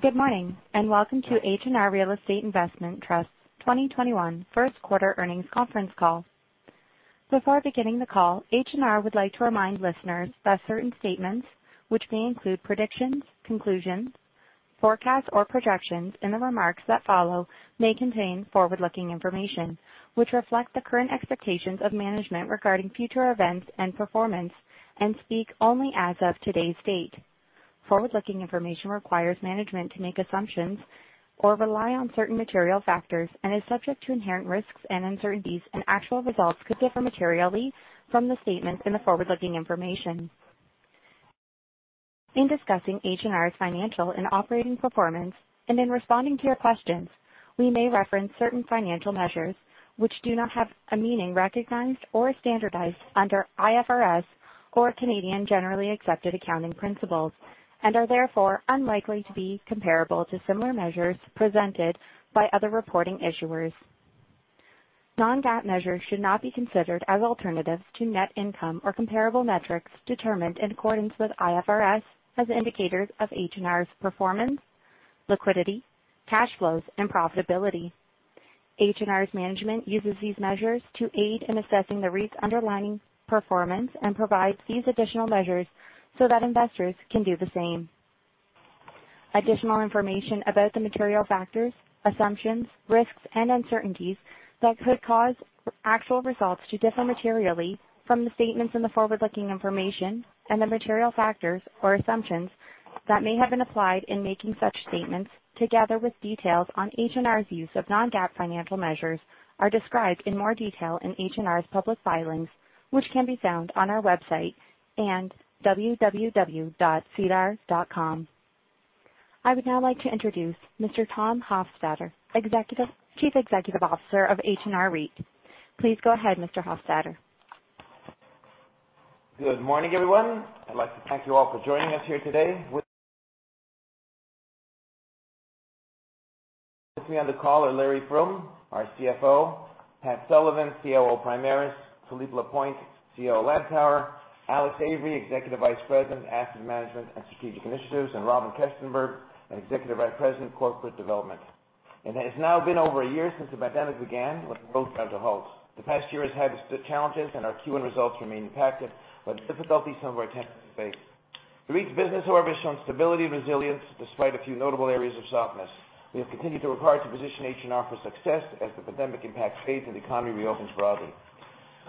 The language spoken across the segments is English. Good morning, and welcome to H&R Real Estate Investment Trust 2021 first quarter earnings conference call. Before beginning the call, H&R would like to remind listeners that certain statements, which may include predictions, conclusions, forecasts, or projections in the remarks that follow, may contain forward-looking information. Which reflect the current expectations of management regarding future events and performance and speak only as of today's date. Forward-looking information requires management to make assumptions or rely on certain material factors and is subject to inherent risks and uncertainties. Actual results could differ materially from the statements in the forward-looking information. In discussing H&R's financial and operating performance, and in responding to your questions, we may reference certain financial measures which do not have a meaning recognized or standardized under IFRS or Canadian generally accepted accounting principles, and are therefore unlikely to be comparable to similar measures presented by other reporting issuers. Non-GAAP measures should not be considered as alternatives to net income or comparable metrics determined in accordance with IFRS as indicators of H&R's performance, liquidity, cash flows, and profitability. H&R's management uses these measures to aid in assessing the REIT's underlying performance and provides these additional measures so that investors can do the same. Additional information about the material factors, assumptions, risks, and uncertainties that could cause actual results to differ materially from the statements in the forward-looking information and the material factors or assumptions that may have been applied in making such statements, together with details on H&R's use of non-GAAP financial measures, are described in more detail in H&R's public filings, which can be found on our website and sedar.com. I would now like to introduce Mr. Tom Hofstedter, Chief Executive Officer of H&R REIT. Please go ahead, Mr. Hofstedter. Good morning, everyone. I'd like to thank you all for joining us here today. With me on the call are Larry Froom, our CFO, Pat Sullivan, COO, Primaris, Philippe Lapointe, COO, Lantower, Alex Avery, Executive Vice President, Asset Management and Strategic Initiatives, and Robyn Kestenberg, Executive Vice President, Corporate Development. It has now been over a year since the pandemic began with the world ground to a halt. The past year has had its challenges, and our Q1 results remain impacted by the difficulties some of our tenants face. The REIT's business orbits on stability and resilience despite a few notable areas of softness. We have continued to require to position H&R for success as the pandemic impact fades and the economy reopens broadly.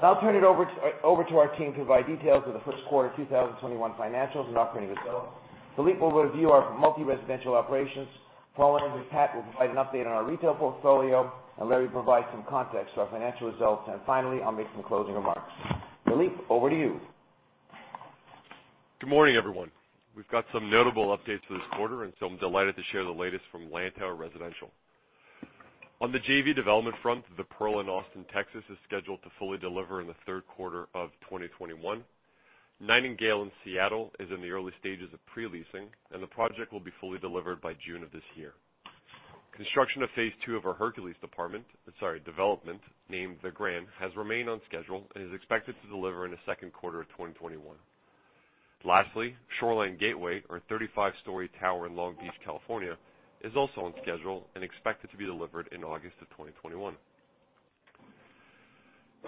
I'll now turn it over to our team to provide details of the first quarter of 2021 financials and operating results. Philippe will review our multi-residential operations. Following, Pat will provide an update on our retail portfolio, Larry will provide some context to our financial results. Finally, I'll make some closing remarks. Philippe, over to you. Good morning, everyone. We've got some notable updates this quarter. I'm delighted to share the latest from Lantower Residential. On the JV development front, The Pearl in Austin, Texas, is scheduled to fully deliver in the third quarter of 2021. Nightingale in Seattle is in the early stages of pre-leasing, the project will be fully delivered by June of this year. Construction of phase two of our Hercules development, named The Graham, has remained on schedule and is expected to deliver in the second quarter of 2021. Lastly, Shoreline Gateway, our 35-story tower in Long Beach, California, is also on schedule and expected to be delivered in August of 2021.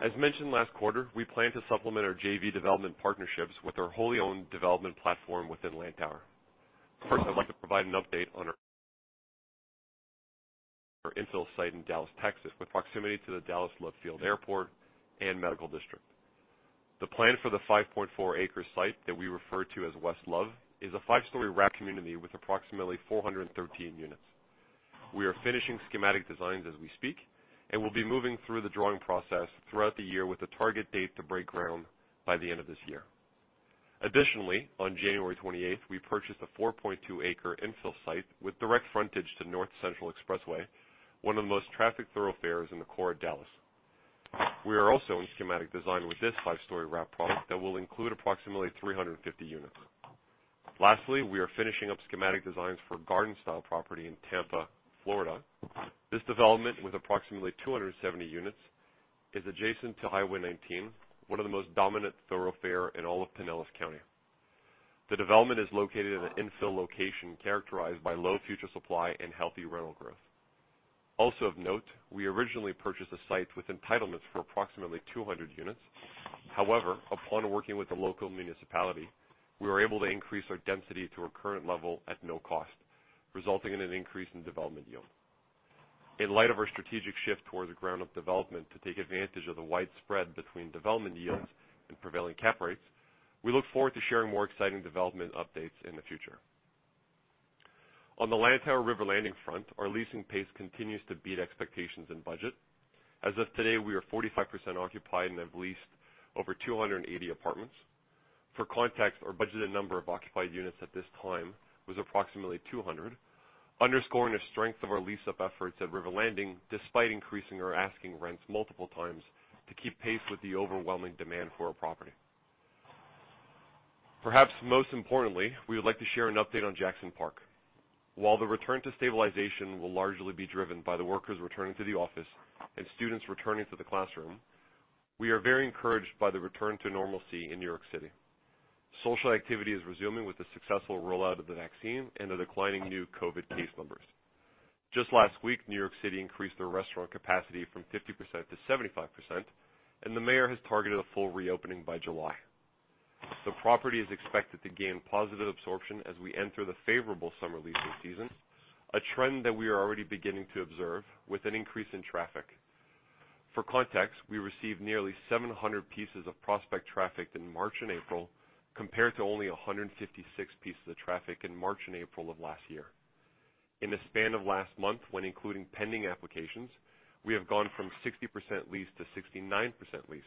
As mentioned last quarter, we plan to supplement our JV development partnerships with our wholly owned development platform within Lantower. First, I'd like to provide an update on our infill site in Dallas, Texas, with proximity to the Dallas Love Field Airport and Medical District. The plan for the 5.4 acre site that we refer to as West Love is a five-story wrap community with approximately 413 units. We are finishing schematic designs as we speak, and we'll be moving through the drawing process throughout the year with a target date to break ground by the end of this year. Additionally, on January 28th, we purchased a 4.2 acre infill site with direct frontage to North Central Expressway, one of the most trafficked thoroughfares in the core of Dallas. We are also in schematic design with this five-story wrap product that will include approximately 350 units. Lastly, we are finishing up schematic designs for a garden-style property in Tampa, Florida. This development, with approximately 270 units, is adjacent to Highway 19, one of the most dominant thoroughfare in all of Pinellas County. The development is located in an infill location characterized by low future supply and healthy rental growth. Also of note, we originally purchased a site with entitlements for approximately 200 units. However, upon working with the local municipality, we were able to increase our density to our current level at no cost, resulting in an increase in development yield. In light of our strategic shift towards ground up development to take advantage of the wide spread between development yields and prevailing cap rates, we look forward to sharing more exciting development updates in the future. On the Lantower River Landing front, our leasing pace continues to beat expectations and budget. As of today, we are 45% occupied and have leased over 280 apartments. For context, our budgeted number of occupied units at this time was approximately 200, underscoring the strength of our lease-up efforts at River Landing, despite increasing our asking rents multiple times to keep pace with the overwhelming demand for our property. Perhaps most importantly, we would like to share an update on Jackson Park. While the return to stabilization will largely be driven by the workers returning to the office and students returning to the classroom. We are very encouraged by the return to normalcy in New York City. Social activity is resuming with the successful rollout of the vaccine and the declining new COVID case numbers. Just last week, New York City increased their restaurant capacity from 50% to 75%, and the mayor has targeted a full reopening by July. The property is expected to gain positive absorption as we enter the favorable summer leasing season, a trend that we are already beginning to observe with an increase in traffic. For context, we received nearly 700 pieces of prospect traffic in March and April, compared to only 156 pieces of traffic in March and April of last year. In the span of last month, when including pending applications, we have gone from 60% leased to 69% leased.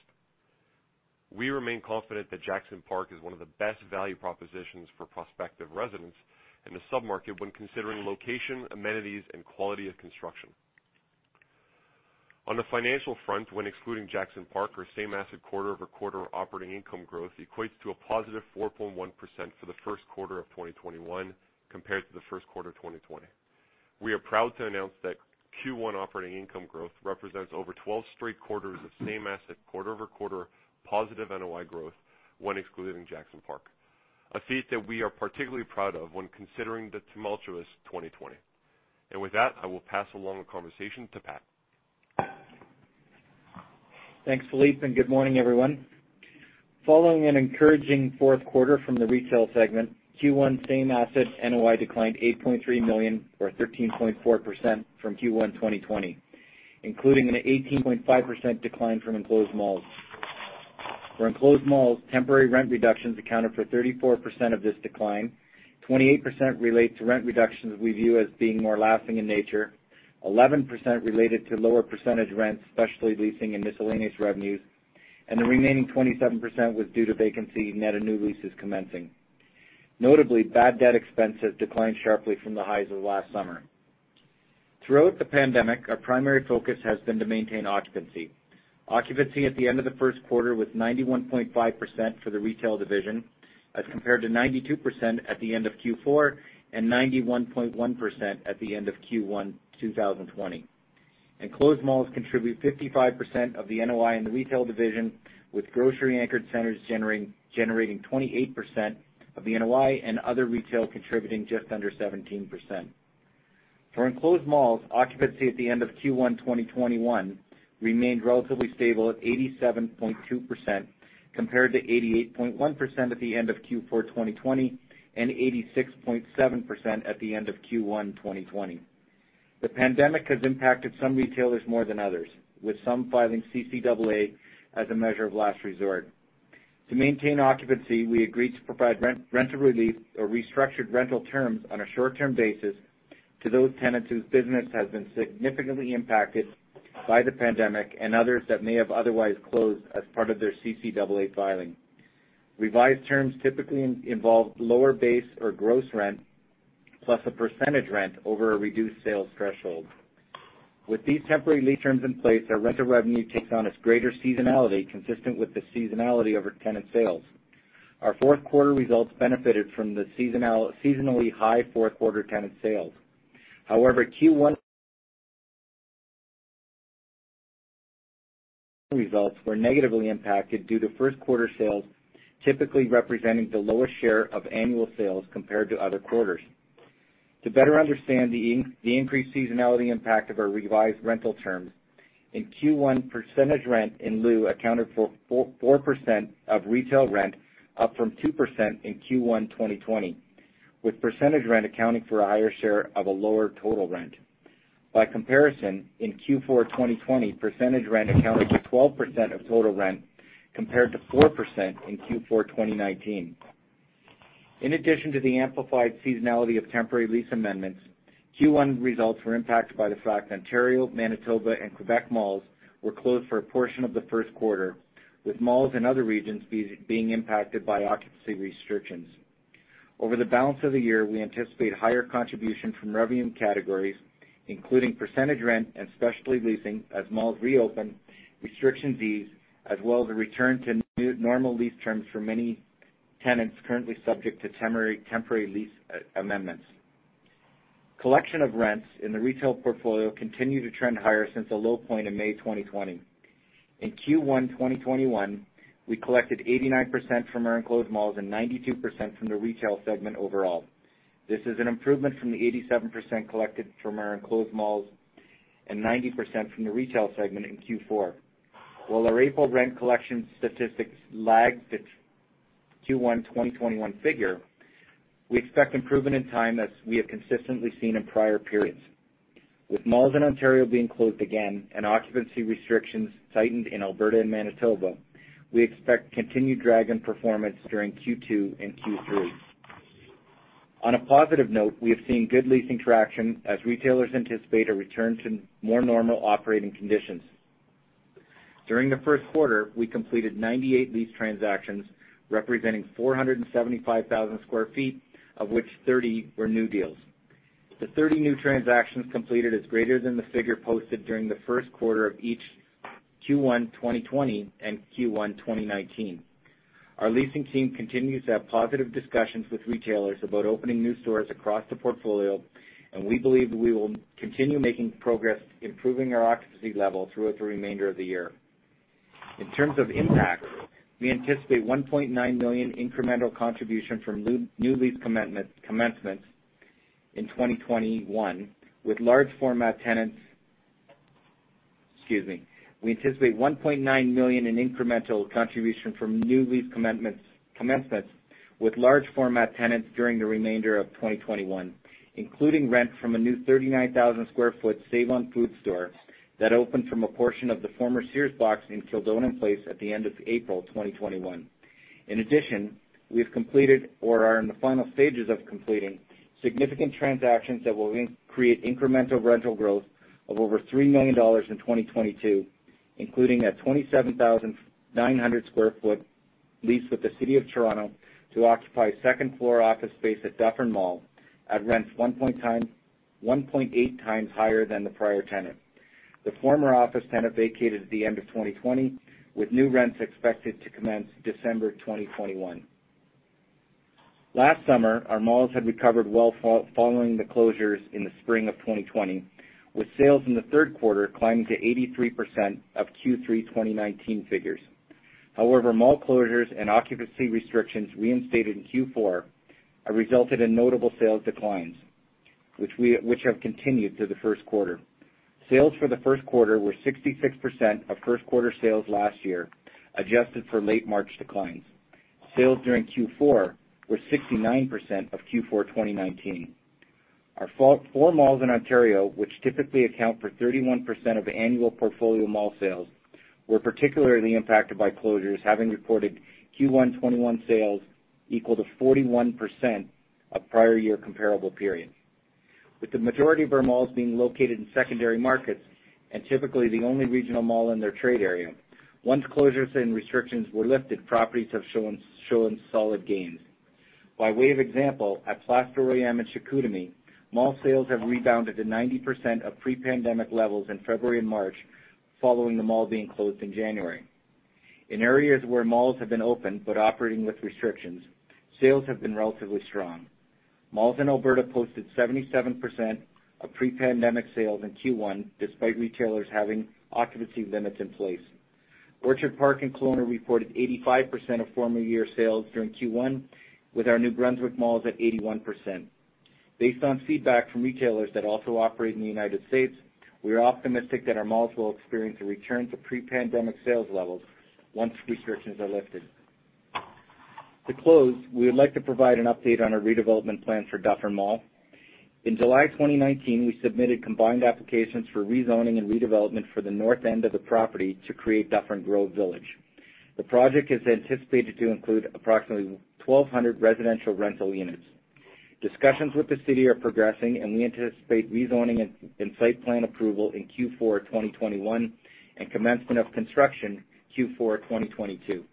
We remain confident that Jackson Park is one of the best value propositions for prospective residents in the sub-market when considering location, amenities, and quality of construction. On a financial front, when excluding Jackson Park, our same-asset quarter-over-quarter operating income growth equates to a positive 4.1% for the first quarter of 2021 compared to the first quarter of 2020. We are proud to announce that Q1 operating income growth represents over 12 straight quarters of same asset, quarter-over-quarter positive NOI growth when excluding Jackson Park. A feat that we are particularly proud of when considering the tumultuous 2020. With that, I will pass along the conversation to Pat. Thanks, Philippe, and good morning, everyone. Following an encouraging fourth quarter from the retail segment, Q1 same asset NOI declined 8.3 million or 13.4% from Q1 2020, including an 18.5% decline from enclosed malls. For enclosed malls, temporary rent reductions accounted for 34% of this decline, 28% relate to rent reductions we view as being more lasting in nature, 11% related to lower percentage rents, specialty leasing, and miscellaneous revenues, and the remaining 27% was due to vacancy net of new leases commencing. Notably, bad debt expenses declined sharply from the highs of last summer. Throughout the pandemic, our primary focus has been to maintain occupancy. Occupancy at the end of the first quarter was 91.5% for the retail division as compared to 92% at the end of Q4 and 91.1% at the end of Q1 2020. Enclosed malls contribute 55% of the NOI in the retail division, with grocery anchored centers generating 28% of the NOI and other retail contributing just under 17%. For enclosed malls, occupancy at the end of Q1 2021 remained relatively stable at 87.2%, compared to 88.1% at the end of Q4 2020 and 86.7% at the end of Q1 2020. The pandemic has impacted some retailers more than others, with some filing CCAA as a measure of last resort. To maintain occupancy, we agreed to provide rental relief or restructured rental terms on a short-term basis to those tenants whose business has been significantly impacted by the pandemic and others that may have otherwise closed as part of their CCAA filing. Revised terms typically involve lower base or gross rent, plus a percentage rent over a reduced sales threshold. With these temporary lease terms in place, our rental revenue takes on its greater seasonality consistent with the seasonality of our tenant sales. Our fourth quarter results benefited from the seasonally high fourth quarter tenant sales. However, Q1 results were negatively impacted due to first quarter sales typically representing the lowest share of annual sales compared to other quarters. To better understand the increased seasonality impact of our revised rental terms, in Q1, percentage rent in lieu accounted for 4% of retail rent, up from 2% in Q1 2020, with percentage rent accounting for a higher share of a lower total rent. By comparison, in Q4 2020, percentage rent accounted for 12% of total rent compared to 4% in Q4 2019. In addition to the amplified seasonality of temporary lease amendments, Q1 results were impacted by the fact Ontario, Manitoba, and Quebec malls were closed for a portion of the first quarter, with malls in other regions being impacted by occupancy restrictions. Over the balance of the year, we anticipate higher contribution from revenue categories, including percentage rent and specialty leasing as malls reopen, restriction fees, as well as a return to normal lease terms for many tenants currently subject to temporary lease amendments. Collection of rents in the retail portfolio continue to trend higher since the low point in May 2020. In Q1 2021, we collected 89% from our enclosed malls and 92% from the retail segment overall. This is an improvement from the 87% collected from our enclosed malls and 90% from the retail segment in Q4. While our April rent collection statistics lagged its Q1 2021 figure, we expect improvement in time as we have consistently seen in prior periods. With malls in Ontario being closed again and occupancy restrictions tightened in Alberta and Manitoba, we expect continued drag in performance during Q2 and Q3. On a positive note, we have seen good leasing traction as retailers anticipate a return to more normal operating conditions. During the first quarter, we completed 98 lease transactions representing 475,000 sq ft, of which 30 were new deals. The 30 new transactions completed is greater than the figure posted during the first quarter of each Q1 2020 and Q1 2019. Our leasing team continues to have positive discussions with retailers about opening new stores across the portfolio, and we believe we will continue making progress improving our occupancy level throughout the remainder of the year. In terms of impact, we anticipate 1.9 million incremental contribution from new lease commencements in 2021 with large format tenants. Excuse me. We anticipate 1.9 million in incremental contribution from new lease commencements with large format tenants during the remainder of 2021, including rent from a new 39,000 sq ft Save-On-Foods store that opened from a portion of the former Sears box in Kildonan Place at the end of April 2021. In addition, we have completed or are in the final stages of completing significant transactions that will create incremental rental growth of over 3 million dollars in 2022, including a 27,900 sq ft lease with the City of Toronto to occupy second-floor office space at Dufferin Mall at rents 1.8 times higher than the prior tenant. The former office tenant vacated at the end of 2020, with new rents expected to commence December 2021. Last summer, our malls had recovered well following the closures in the spring of 2020, with sales in the third quarter climbing to 83% of Q3 2019 figures. However, mall closures and occupancy restrictions reinstated in Q4 have resulted in notable sales declines, which have continued through the first quarter. Sales for the first quarter were 66% of first quarter sales last year, adjusted for late March declines. Sales during Q4 were 69% of Q4 2019. Our four malls in Ontario, which typically account for 31% of annual portfolio mall sales, were particularly impacted by closures, having reported Q1 2021 sales equal to 41% of prior year comparable periods. With the majority of our malls being located in secondary markets and typically the only regional mall in their trade area, once closures and restrictions were lifted, properties have shown solid gains. By way of example, at Place Boréale in Chicoutimi, mall sales have rebounded to 90% of pre-pandemic levels in February and March following the mall being closed in January. In areas where malls have been open but operating with restrictions, sales have been relatively strong. Malls in Alberta posted 77% of pre-pandemic sales in Q1, despite retailers having occupancy limits in place. Orchard Park in Kelowna reported 85% of former year sales during Q1, with our New Brunswick malls at 81%. Based on feedback from retailers that also operate in the United States, we are optimistic that our malls will experience a return to pre-pandemic sales levels once restrictions are lifted. To close, we would like to provide an update on our redevelopment plans for Dufferin Mall. In July 2019, we submitted combined applications for rezoning and redevelopment for the north end of the property to create Dufferin Grove Village. The project is anticipated to include approximately 1,200 residential rental units. Discussions with the City are progressing, and we anticipate rezoning and site plan approval in Q4 2021 and commencement of construction Q4 2022.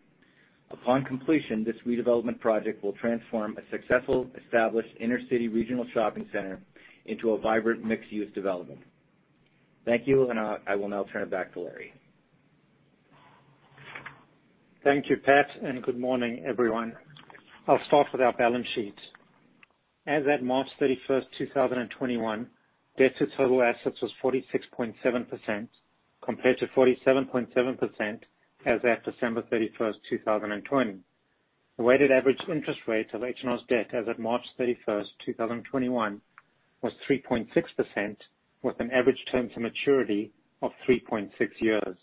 Upon completion, this redevelopment project will transform a successful, established inner city regional shopping center into a vibrant mixed-use development. Thank you, and I will now turn it back to Larry. Thank you, Pat. Good morning, everyone. I'll start with our balance sheet. As at March 31st, 2021, debt to total assets was 46.7%, compared to 47.7% as at December 31st, 2020. The weighted average interest rates of H&R's debt as at March 31, 2021 was 3.6%, with an average term to maturity of 3.6 years.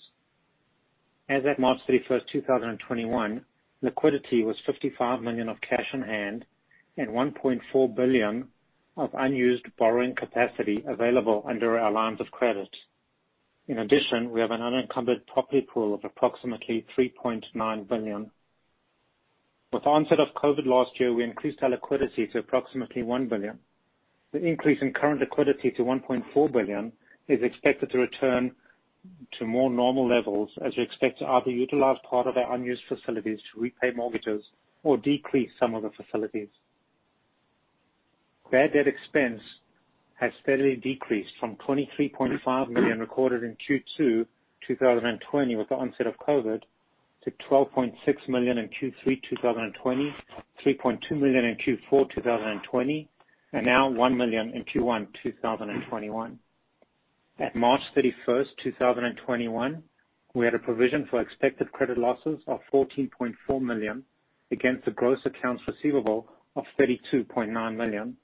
As at March 31st, 2021, liquidity was 55 million of cash on hand and 1.4 billion of unused borrowing capacity available under our lines of credit. In addition, we have an unencumbered property pool of approximately 3.9 billion. With the onset of COVID last year, we increased our liquidity to approximately 1 billion. The increase in current liquidity to 1.4 billion is expected to return to more normal levels as we expect to either utilize part of our unused facilities to repay mortgages or decrease some of the facilities. Bad debt expense has steadily decreased from 23.5 million recorded in Q2 2020 with the onset of COVID, to 12.6 million in Q3 2020, 3.2 million in Q4 2020, and now 1 million in Q1 2021. At March 31st, 2021, we had a provision for expected credit losses of 14.4 million against the gross accounts receivable of 32.9 million.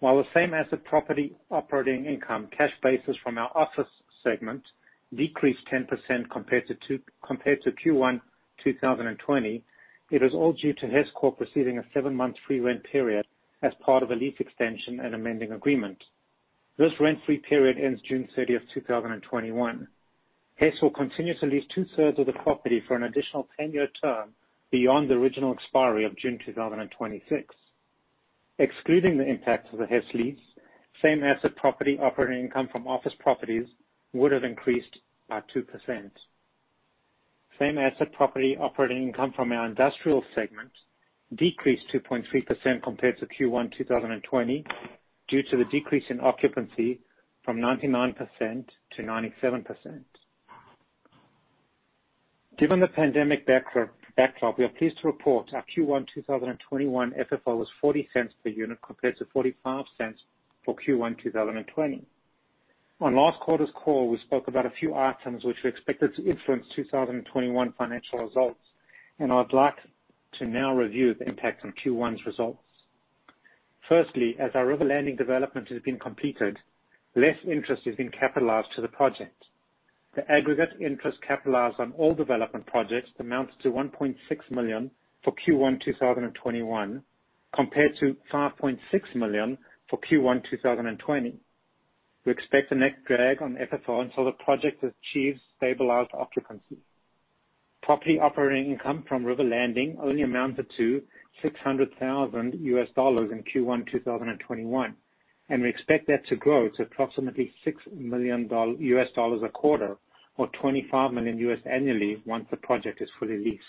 While the same as the property operating income, cash basis from our office segment decreased 10% compared to Q1 2020. It is all due to Hess Corporation receiving a seven-month free rent period as part of a lease extension and amending agreement. This rent-free period ends June 30th, 2021. Hess will continue to lease two-thirds of the property for an additional 10-year term beyond the original expiry of June 2026. Excluding the impact of the Hess lease, same-asset property operating income from office properties would have increased by 2%. Same-asset property operating income from our industrial segment decreased 2.3% compared to Q1 2020. Due to the decrease in occupancy from 99% to 97%. Given the pandemic backdrop, we are pleased to report our Q1 2021 FFO was 0.40 per unit, compared to 0.45 for Q1 2020. On last quarter's call, we spoke about a few items which we expected to influence 2021 financial results. I'd like to now review the impact on Q1's results. Firstly, as our River Landing development has been completed, less interest is being capitalized to the project. The aggregate interest capitalized on all development projects amounts to 1.6 million for Q1 2021 compared to 5.6 million for Q1 2020. We expect a net drag on FFO until the project achieves stabilized occupancy. Property operating income from River Landing only amounted to $600,000 in Q1 2021, and we expect that to grow to approximately $6 million a quarter or $25 million annually once the project is fully leased.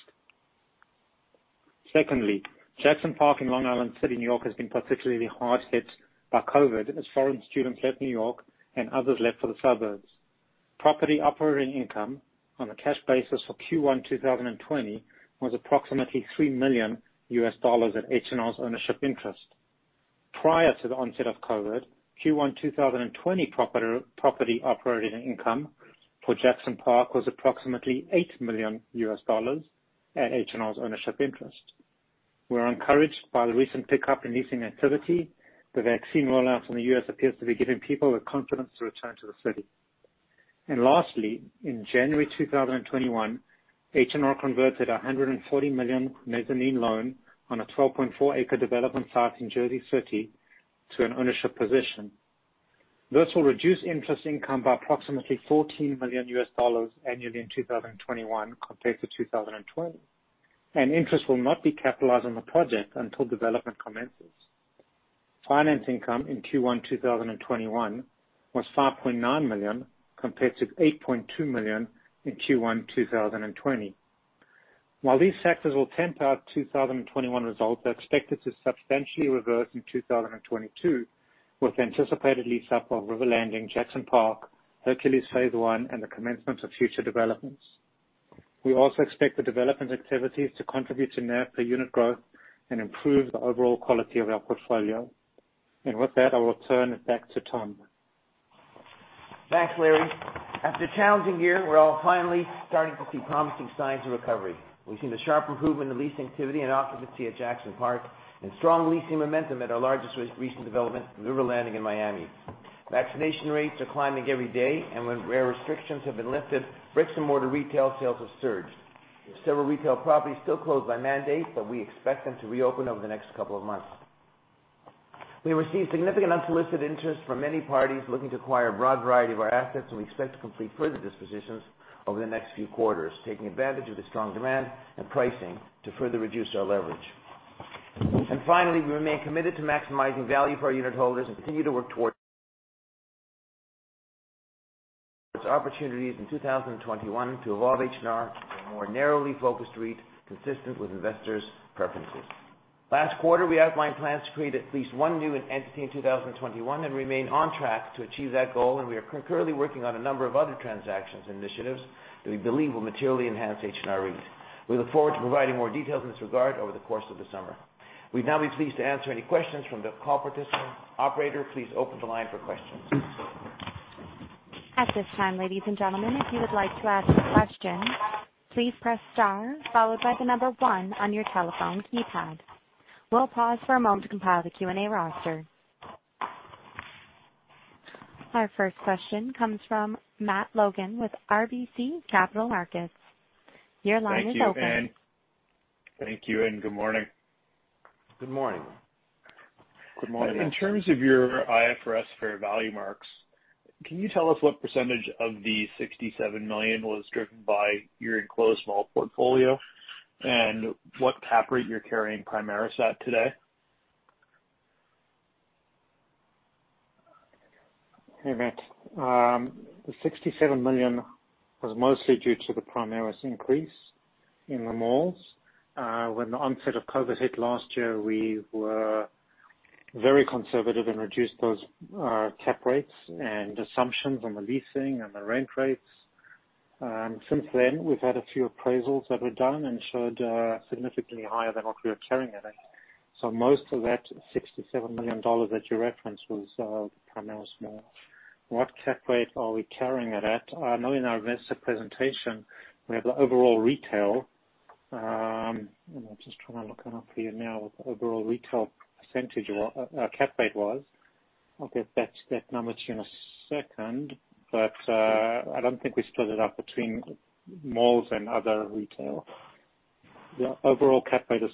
Secondly, Jackson Park in Long Island City, N.Y., has been particularly hard hit by COVID as foreign students left New York and others left for the suburbs. Property operating income on a cash basis for Q1 2020 was approximately $3 million at H&R's ownership interest. Prior to the onset of COVID, Q1 2020 property operating income for Jackson Park was approximately $8 million at H&R's ownership interest. We're encouraged by the recent pickup in leasing activity. The vaccine rollout from the U.S. appears to be giving people the confidence to return to the city. Lastly, in January 2021, H&R converted a 140 million mezzanine loan on a 12.4-acre development site in Jersey City to an ownership position. This will reduce interest income by approximately $14 million annually in 2021 compared to 2020. Interest will not be capitalized on the project until development commences. Finance income in Q1 2021 was 5.9 million, compared to 8.2 million in Q1 2020. While these factors will temper our 2021 results, they are expected to substantially revert in 2022 with anticipated lease up of River Landing, Jackson Park, Hercules phase I, and the commencement of future developments. We also expect the development activities to contribute to net per unit growth and improve the overall quality of our portfolio. With that, I will turn it back to Tom. Thanks, Larry. After a challenging year, we're all finally starting to see promising signs of recovery. We've seen a sharp improvement in leasing activity and occupancy at Jackson Park and strong leasing momentum at our largest recent development, River Landing in Miami. Where restrictions have been lifted, bricks and mortar retail sales have surged. There are several retail properties still closed by mandate, but we expect them to reopen over the next couple of months. We received significant unsolicited interest from many parties looking to acquire a broad variety of our assets, and we expect to complete further dispositions over the next few quarters, taking advantage of the strong demand and pricing to further reduce our leverage. Finally, we remain committed to maximizing value for our unit holders and continue to work toward opportunities in 2021 to evolve H&R to a more narrowly focused REIT consistent with investors' preferences. Last quarter, we outlined plans to create at least one new entity in 2021 and remain on track to achieve that goal. We are currently working on a number of other transactions initiatives that we believe will materially enhance H&R REIT. We look forward to providing more details in this regard over the course of the summer. We'd now be pleased to answer any questions from the call participants. Operator, please open the line for questions. Our first question comes from Matt Logan with RBC Capital Markets. Your line is open. Thank you, and good morning. Good morning. In terms of your IFRS fair value marks, can you tell us what percentage of the 67 million was driven by your enclosed mall portfolio and what cap rate you're carrying Primaris at today? Hey, Matt. The 67 million was mostly due to the Primaris increase in the malls. When the onset of COVID hit last year, we were very conservative and reduced those cap rates and assumptions on the leasing and the rent rates. Since then, we've had a few appraisals that were done and showed significantly higher than what we were carrying it at. Most of that 67 million dollars that you referenced was Primaris malls. What cap rate are we carrying it at? I know in our investor presentation we have overall retail. I'm just trying to look it up for you now, what the overall retail cap rate was. I'll get that number to you in a second. I don't think we split it up between malls and other retail. The overall cap rate is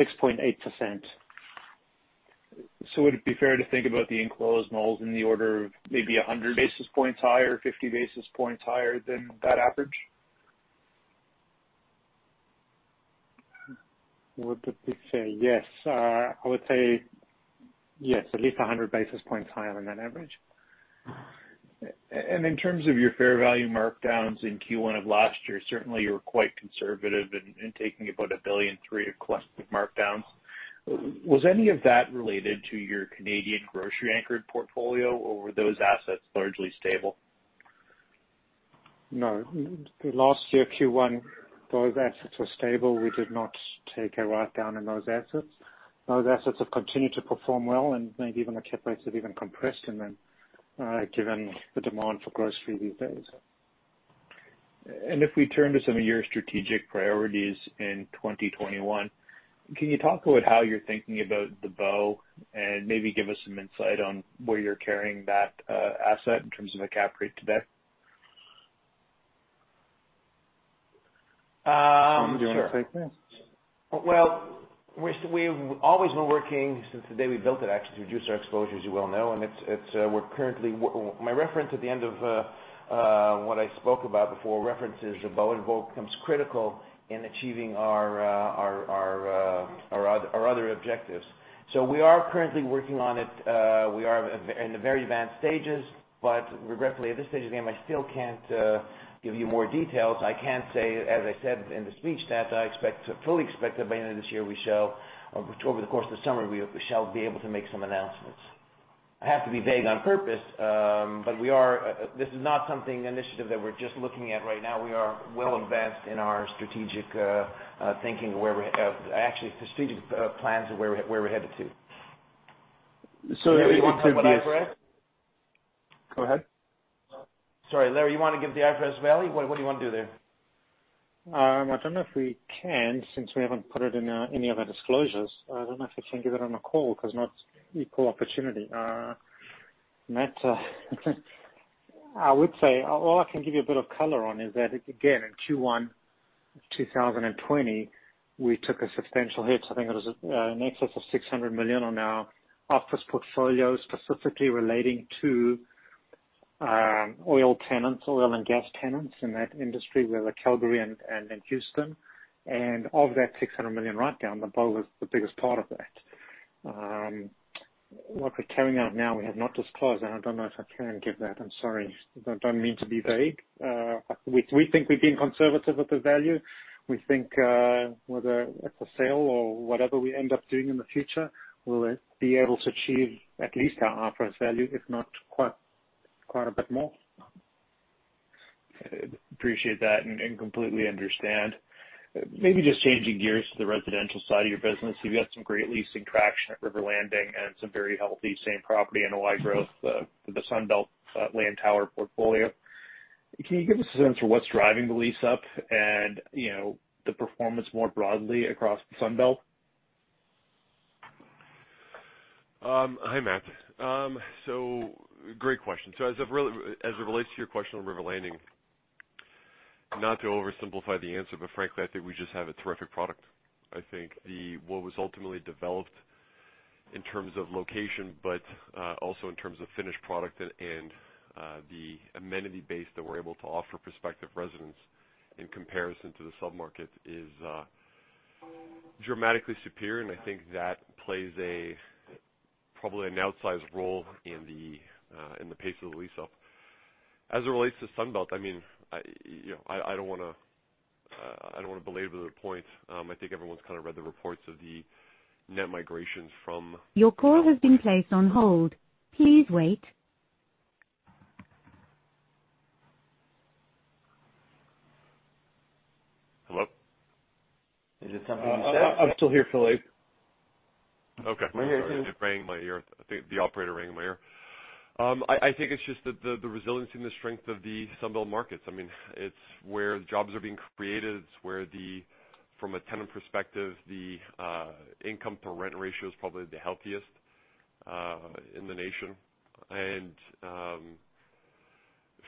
6.8%. Would it be fair to think about the enclosed malls in the order of maybe 100 basis points higher, 50 basis points higher than that average? What did we say? Yes, I would say yes, at least 100 basis points higher than average. In terms of your fair value markdowns in Q1 of last year, certainly you were quite conservative in taking about 1.3 billion of collective markdowns. Was any of that related to your Canadian grocery anchored portfolio, or were those assets largely stable? No. Last year, Q1, those assets were stable. We did not take a write down on those assets. Those assets have continued to perform well, even the cap rates have even compressed given the demand for grocery these days. If we turn to some of your strategic priorities in 2021, can you talk about how you're thinking about The Bow and maybe give us some insight on where you're carrying that asset in terms of a cap rate today? Sure. We've always been working since the day we built it, actually, to reduce our exposure, as you well know. My reference at the end of what I spoke about before, reference is The Bow becomes critical in achieving our other objectives. We are currently working on it. We are in the very advanced stages, regrettably at this stage of the game, I still can't give you more details. I can say, as I said in the speech, that I fully expect by the end of this year we shall, or over the course of the summer, we shall be able to make some announcements. I have to be vague on purpose, this is not something, an initiative that we're just looking at right now. We are well advanced in our strategic thinking, actually the strategic plans of where we're headed to. So Larry, you want to give the address? Go ahead. Sorry, Larry, you want to give the address value? What do you want to do there? I don't know if we can, since we haven't put it in any of our disclosures. I don't know if I can give it on a call because not equal opportunity, Matt. All I can give you a bit of color on is that again, in Q1 2020, we took a substantial hit. I think it was in excess of 600 million on our office portfolio, specifically relating to oil tenants, oil and gas tenants in that industry. We have a Calgary and a Houston. Of that 600 million write-down, The Bow was the biggest part of that. What we're carrying out now, we have not disclosed. I don't know if I can give that. I'm sorry. I don't mean to be vague. We think we're being conservative with the value. We think whether it's a sale or whatever we end up doing in the future, we'll be able to achieve at least our office value, if not quite a bit more. Appreciate that and completely understand. Maybe just changing gears to the residential side of your business. You've got some great leasing traction at River Landing and some very healthy same property NOI growth for the Sunbelt Lantower portfolio. Can you give us a sense for what's driving the lease up and the performance more broadly across the Sunbelt? Hi, Matt. Great question. As it relates to your question on River Landing, not to oversimplify the answer, but frankly, I think we just have a terrific product. I think what was ultimately developed in terms of location, but also in terms of finished product and the amenity base that we're able to offer prospective residents in comparison to the sub-market is dramatically superior, and I think that plays probably an outsized role in the pace of the lease up. As it relates to Sunbelt, I don't want to belabor the point. I think everyone's read the reports of the net migrations from. Your call has been placed on hold. Please wait. Hello? Is it something you said? I'm still here, Philippe. Okay. Sorry. I think the operator rang later. I think it's just the resilience and the strength of the Sunbelt markets. It's where jobs are being created. It's where the, from a tenant perspective, the income to rent ratio is probably the healthiest in the nation.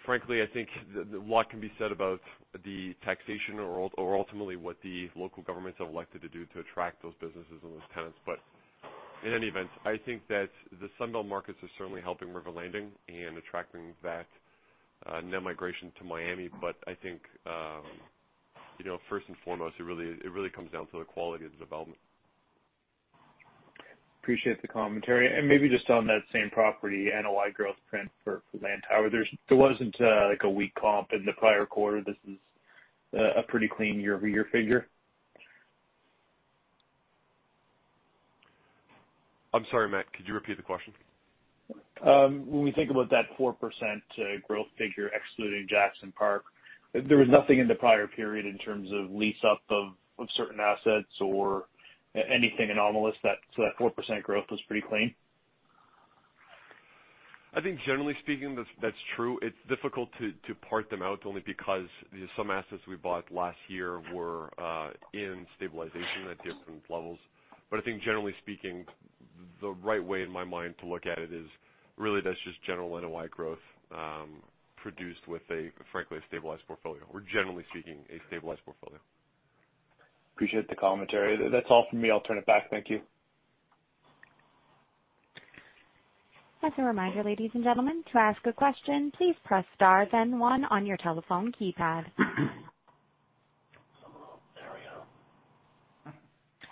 Frankly, I think a lot can be said about the taxation or ultimately what the local governments have elected to do to attract those businesses and those tenants. In any event, I think that the Sunbelt markets are certainly helping River Landing and attracting that net migration to Miami. I think first and foremost, it really comes down to the quality of the development. Appreciate the commentary. Maybe just on that same property, NOI growth transfer for Lantower. There wasn't a weak comp in the prior quarter. This is a pretty clean year-over-year figure. I'm sorry, Matt, could you repeat the question? When we think about that 4% growth figure excluding Jackson Park, there was nothing in the prior period in terms of lease up of certain assets or anything anomalous, that 4% growth was pretty clean? I think generally speaking, that's true. It's difficult to park them out only because some assets we bought last year were in stabilization at different levels. I think generally speaking, the right way in my mind to look at it is really that's just general NOI growth produced with a, frankly, a stabilized portfolio, or generally speaking, a stabilized portfolio. Appreciate the commentary. That's all from me. I'll turn it back. Thank you.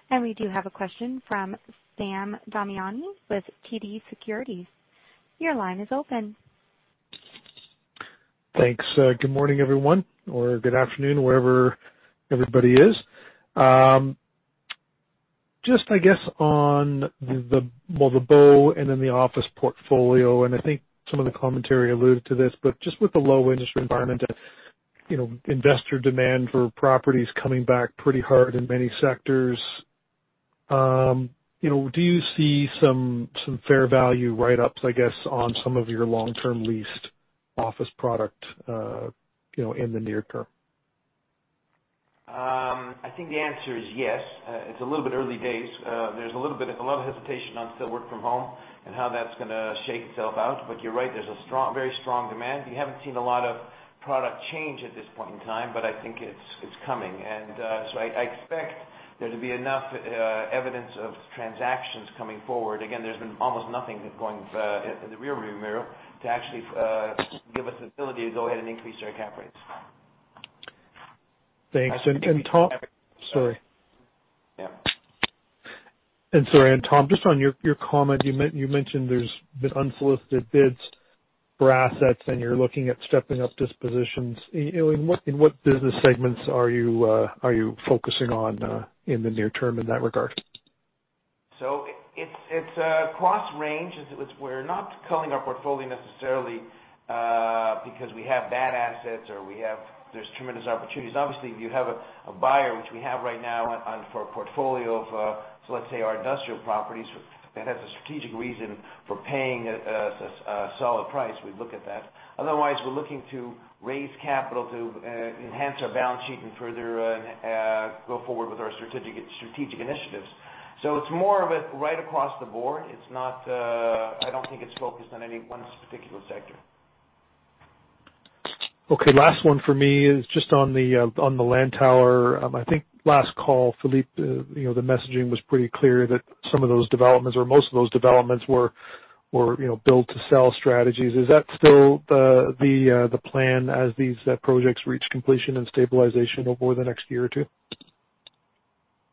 We do have a question from Sam Damiani with TD Securities. Your line is open. Thanks. Good morning, everyone, or good afternoon, wherever everybody is. Just, I guess on The Bow and then the office portfolio, and I think some of the commentary alluded to this, but just with the low interest environment and investor demand for properties coming back pretty hard in many sectors, do you see some fair value write-ups, I guess, on some of your long-term leased office product in the near term? I think the answer is yes. It's a little bit early days. There's a lot of hesitation on still work from home and how that's going to shake itself out. You're right, there's a very strong demand. We haven't seen a lot of product change at this point in time, but I think it's coming. I expect there to be enough evidence of transactions coming forward. Again, there's been almost nothing going in the rear view mirror to actually give us the ability to go ahead and increase our cap rates. Thanks. Sorry. Yeah. Sorry, and Tom, just on your comment, you mentioned there's been unsolicited bids for assets and you're looking at stepping up dispositions. In what business segments are you focusing on in the near term in that regard? It's across range. We're not selling our portfolio necessarily because we have bad assets or there's tremendous opportunities. Obviously, if you have a buyer, which we have right now for a portfolio of, let's say, our industrial properties that has a strategic reason for paying a solid price, we'd look at that. Otherwise, we're looking to raise capital to enhance our balance sheet and further go forward with our strategic initiatives. It's more of it right across the board. I don't think it's focused on any one particular sector. Okay, last one for me is just on the Lantower. I think last call, Philippe, the messaging was pretty clear that some of those developments or most of those developments were built-to-sell strategies. Is that still the plan as these projects reach completion and stabilization over the next year or two?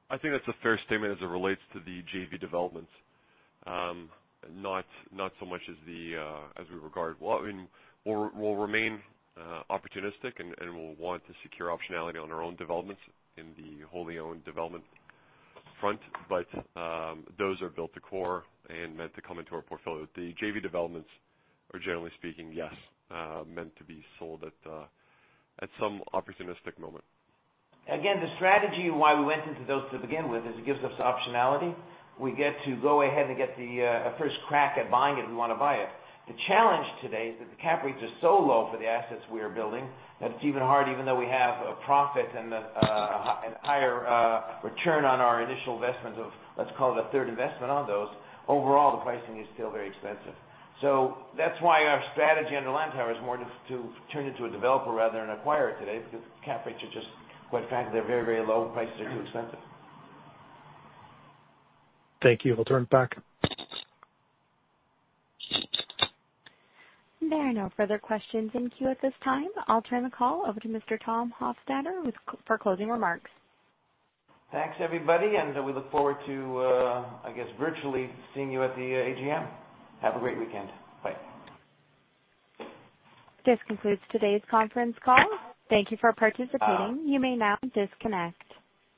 I think that's a fair statement as it relates to the JV developments. We'll remain opportunistic, and we'll want to secure optionality on our own developments in the wholly-owned development front. Those are built to core and meant to come into our portfolio. The JV developments are, generally speaking, yes, meant to be sold at some opportunistic moment. The strategy why we went into builds to begin with is it gives us optionality. We get to go ahead and get the first crack at buying it if we want to buy it. The challenge today is that the cap rates are so low for the assets we are building that it's even hard, even though we have a profit and a higher return on our initial investments of, let's call it a third investment on those. The pricing is still very expensive. That's why our strategy on the Lantower is more to turn into a developer rather than acquire today because cap rates are just, quite frankly, they're very low prices are too expensive. Thank you. We'll turn it back. There are no further questions in queue at this time. I'll turn the call over to Mr. Tom Hofstedter for closing remarks. Thanks, everybody, and we look forward to, I guess, virtually seeing you at the AGM. Have a great weekend. Bye This concludes today's conference call. Thank you for participating. You may now disconnect.